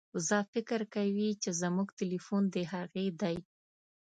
وزه فکر کوي چې زموږ ټیلیفون د هغې دی.